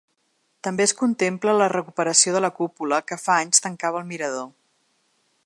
També es contempla la recuperació de la cúpula que fa anys tancava el mirador.